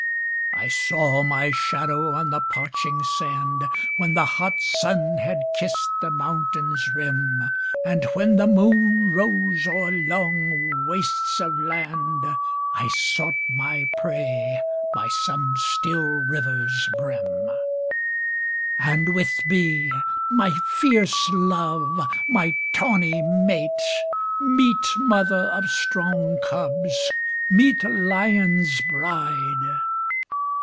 I saw my shadow on the parching sand. When the hot sun had kissed the mountain's rim ; And when the moon rose o'er long wastes of land, I sought my prey by some still river's brim ; And with me my fierce love, my tawny mate, \ Meet mother of strong cubs, meet lion's bride